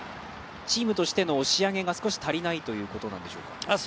チームとしての押し上げが少し足りないということなんでしょうか。